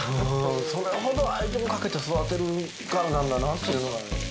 それほど愛情かけて育てるからなんだなというのがね。